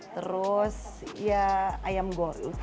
terus ya ayam goyuk